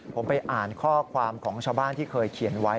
ผมไปอ่านข้อความของชาวบ้านที่เคยเขียนไว้